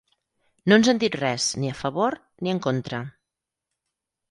No ens han dit res ni a favor, ni en contra.